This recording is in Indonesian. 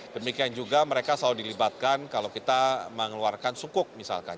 demikian juga mereka selalu dilibatkan kalau kita mengeluarkan sukuk misalkan